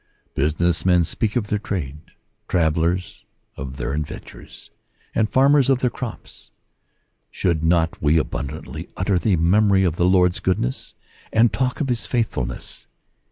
Business men speak of their trade, travelers of their adventures, and farmers of their crops ; should not we abundantly utter the memory of the Lord's goodness, and talk of his faithfulness?